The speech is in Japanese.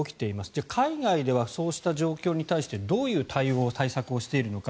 じゃあ、海外ではそういった状況に対してどういう対応、対策をしているのか。